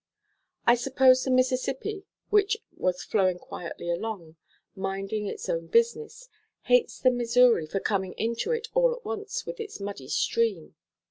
I suppose the Mississippi, which was flowing quietly along, minding its own business, hates the Missouri for coming into it all at once with its muddy stream.